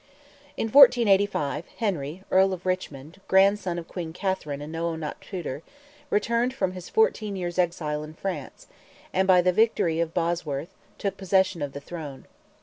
In 1485, Henry, Earl of Richmond, grandson of Queen Catherine and Owen ap Tudor, returned from his fourteen years' exile in France, and, by the victory of Bosworth, took possession of the throne.